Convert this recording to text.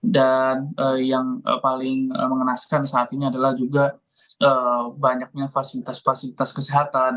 dan yang paling mengenaskan saat ini adalah juga banyaknya fasilitas fasilitas kesehatan